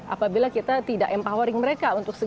apabila kita tidak empowering mereka untuk segera